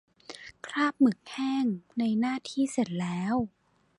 คราบหมึกแห้ง ในหน้าที่เสร็จแล้ว